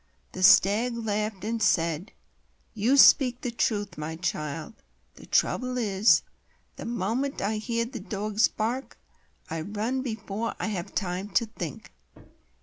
The Stag laughed, and said: "You speak the truth, my child. The trouble is,—the moment I hear the dogs bark, I run before I have time to think."